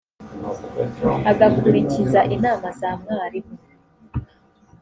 agakurikiza inama za mwarimu